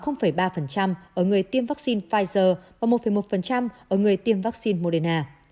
ở người tiêm vaccine pfizer và một một ở người tiêm vaccine moderna